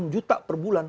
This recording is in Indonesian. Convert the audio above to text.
enam juta per bulan